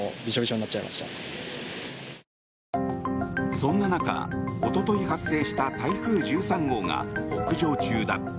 そんな中、おととい発生した台風１３号が北上中だ。